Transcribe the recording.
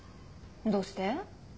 どうして？